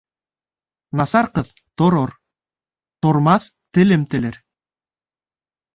Насар ҡыҙ торор-тормаҫ телем телер.